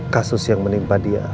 kasus yang menimpa dia